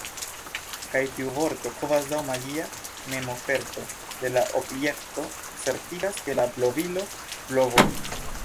Kaj tiu vorto, kvazaŭ magia memoferto de la objekto, certigas, ke la blovilo blovos.